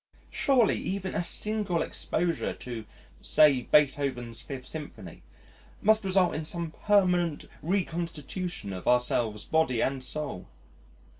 Surely, even a single exposure to say Beethoven's Fifth Symphony must result in some permanent reconstitution of ourselves body and soul.